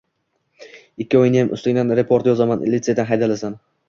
Ikkovingniyam ustingdan raport yozaman. Litseydan haydalasan!